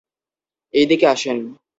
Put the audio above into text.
এইদিকে, আসেন।